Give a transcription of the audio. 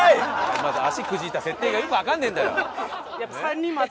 まず足くじいた設定がよくわかんねえんだよ！